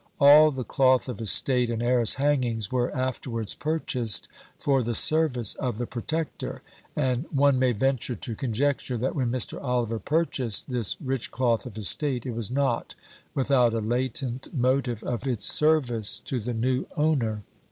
All the "cloth of estate" and "arras hangings" were afterwards purchased for the service of the Protector; and one may venture to conjecture, that when Mr. Oliver purchased this "rich cloth of estate," it was not without a latent motive of its service to the new owner.